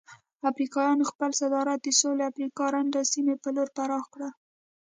افریقایانو خپل صادرات د سویلي افریقا رنډ سیمې په لور پراخ کړل.